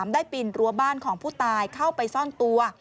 ปีนรั้วบ้านของผู้ตายเข้าไปซ่อนตัว